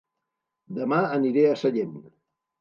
Dema aniré a Sallent